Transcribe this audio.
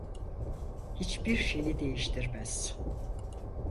Hiçbir şeyi değiştirmez.